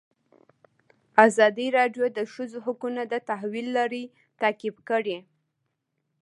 ازادي راډیو د د ښځو حقونه د تحول لړۍ تعقیب کړې.